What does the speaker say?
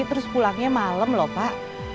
terus pulangnya malam lho pak